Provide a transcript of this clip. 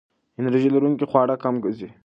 انرژي لرونکي خواړه کم کړئ.